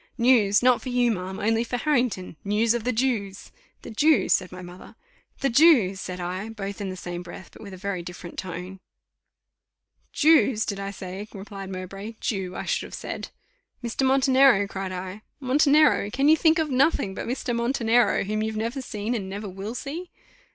"News! not for you, ma'am, only for Harrington; news of the Jews." "The Jews!" said my mother. "The Jews!" said I, both in the same breath, but in very different tones. "Jews, did I say?" replied Mowbray: "Jew, I should have said." "Mr. Montenero?" cried I. "Montenero! Can you think of nothing but Mr. Montenero, whom you've never seen, and never will see?"